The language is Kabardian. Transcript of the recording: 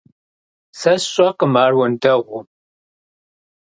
Сэ сщӀакъым ар уэндэгъуу.